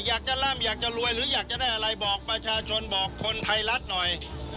อยากจะร่ำอยากจะรวยหรืออยากจะได้อะไรบอกประชาชนบอกคนไทยรัฐหน่อย